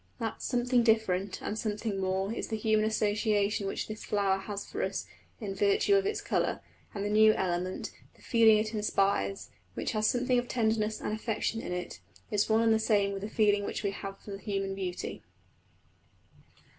That something different, and something more, is the human association which this flower has for us in virtue of its colour; and the new element the feeling it inspires, which has something of tenderness and affection in it is one and the same with the feeling which we have for human beauty.